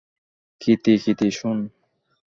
কীর্তি - কীর্তি, শোন।